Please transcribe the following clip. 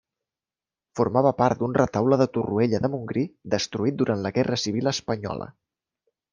Formava part d'un retaule de Torroella de Montgrí destruït durant la Guerra civil espanyola.